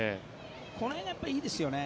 この辺がいいですよね。